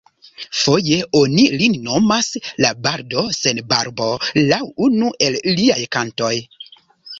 Foje oni lin nomas la "Bardo sen barbo", laŭ unu el liaj kantoj.